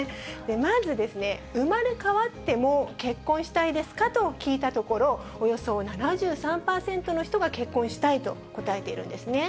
まず、生まれ変わっても結婚したいですかと聞いたところ、およそ７３％の人が結婚したいと答えているんですね。